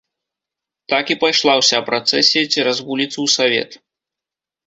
Так і пайшла ўся працэсія цераз вуліцу ў савет.